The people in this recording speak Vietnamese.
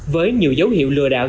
với nhiều dấu hiệu lừa đảo